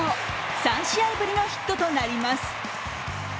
３試合ぶりのヒットとなります。